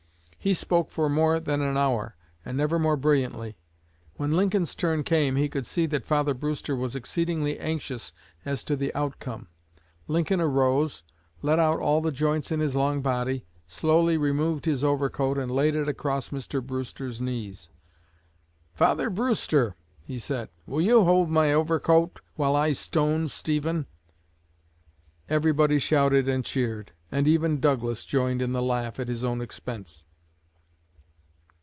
He spoke for more than an hour, and never more brilliantly. When Lincoln's turn came he could see that Father Brewster was exceedingly anxious as to the outcome. Lincoln arose, let out all the joints in his long body, slowly removed his overcoat and laid it across Mr. Brewster's knees. "Father Brewster," he said, "will you hold my overcoat while I stone Stephen?" Everybody shouted and cheered, and even Douglas joined in the laugh at his own expense.